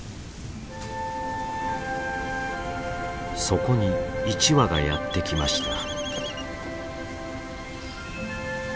そこに１羽がやって来ました。